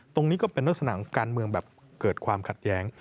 ตรงนี้ก็เป็นลักษณะของการเมืองแบบเกิดความขัดแย้ง